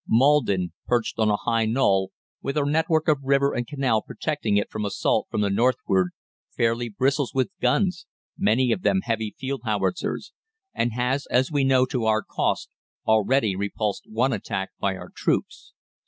Maldon, perched on a high knoll, with a network of river and canal protecting it from assault from the northward, fairly bristles with guns, many of them heavy field howitzers, and has, as we know to our cost, already repulsed one attack by our troops.